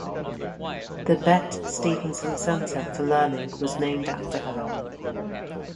The "Bette Stephenson Centre for Learning" was named after her.